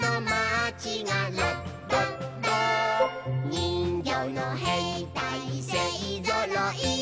「にんぎょうのへいたいせいぞろい」